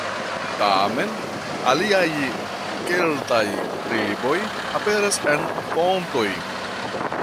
Tamen aliaj keltaj triboj aperas en fontoj.